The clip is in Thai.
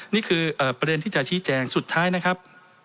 นี่คือประเด็นที่จะชี้แจงสุดท้ายนะครับ